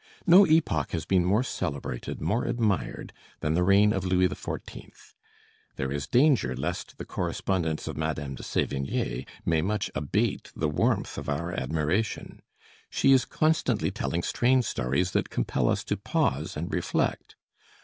No epoch has been more celebrated, more admired, than the reign of Louis XIV.; there is danger lest the correspondence of Madame de Sévigné may much abate the warmth of our admiration. She is constantly telling strange stories that compel us to pause and reflect.